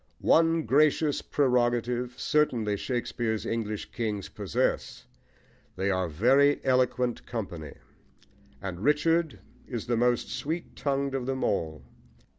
One gracious prerogative, certainly, Shakespeare's English kings possess: they are a very eloquent company, and Richard is the most sweet tongued of them all.